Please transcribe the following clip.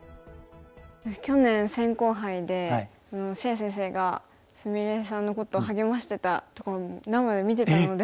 私去年扇興杯で謝先生が菫さんのことを励ましてたところも生で見てたので。